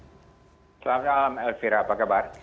selamat malam elvira apa kabar